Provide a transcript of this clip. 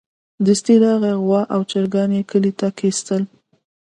دستي راغی غوايي او چرګان يې کلي ته کېستل.